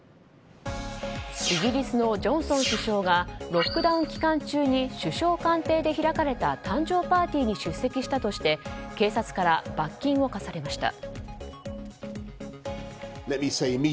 イギリスのジョンソン首相がロックダウン期間中に首相官邸で開かれた誕生パーティーに出席したとして警察から罰金を科されました。